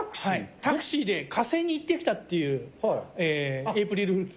タクシーで火星に行ってきたっていうエープリルフール企画。